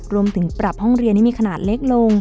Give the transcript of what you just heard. รวมถึงปรับห้องเรียนให้มีขนาดเล็กลง